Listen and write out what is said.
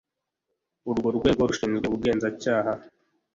Urwo rwego rushinzwe Ubugenzacyaha,